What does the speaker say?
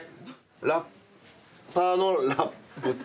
ラッパーのラップって。